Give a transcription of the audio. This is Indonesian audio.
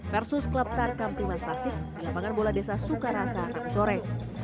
versus klub tarkam primas tasik di lapangan bola desa sukarasa tangguh sore